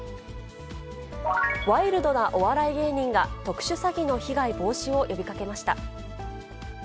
ワイルドなお笑い芸人が、特殊詐欺の被害防止を呼びかけました。